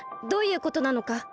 どういうことなのか。